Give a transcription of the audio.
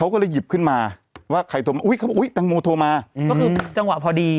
ก็คือจังหวะพอดี